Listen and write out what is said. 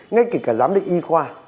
ngay kể cả giám định y khoa